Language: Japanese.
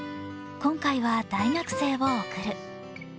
今回は大学生を送る。